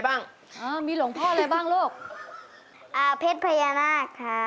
หลงทงหาหอยหาเห็ดและหาปลา